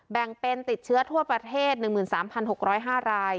แบ่งเป็นติดเชื้อทั่วประเทศ๑๓๖๐๕ราย